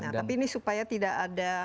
nah tapi ini supaya tidak ada